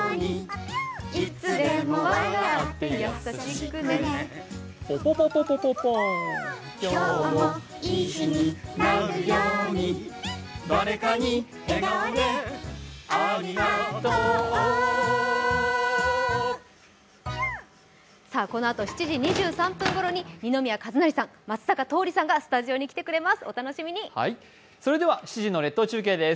このあと７時２３分ごろに二宮和也さん、松坂桃李さんがスタジオに来てくれます。